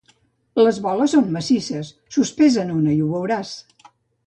Les boles són massisses: sospesa'n una i ho veuràs.